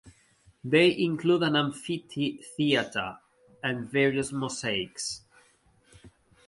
They include an amphitheatre and various mosaics.